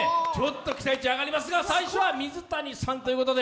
期待値上がりますが最初は水谷さんということで。